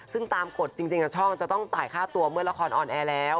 ซึ่งตามกฎจริงช่องจะต้องจ่ายค่าตัวเมื่อละครออนแอร์แล้ว